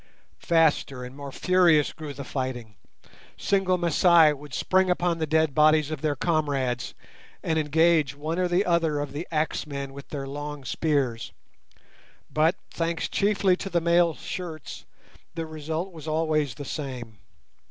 Faster and more furious grew the fighting. Single Masai would spring upon the dead bodies of their comrades, and engage one or other of the axemen with their long spears; but, thanks chiefly to the mail shirts, the result was always the same.